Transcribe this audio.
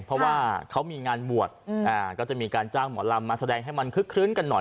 เพราะว่าเขามีงานบวชก็จะมีการจ้างหมอลำมาแสดงให้มันคึกคลื้นกันหน่อย